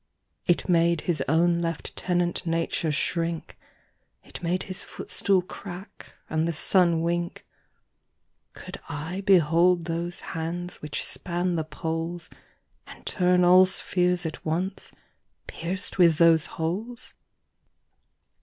It made his owne Lieutenant Nature shrinke, It made his footstoole crack, and the Sunne winke. Could I behold those hands which span the Poles, And turne all spheares at once, peirc'd with those holes?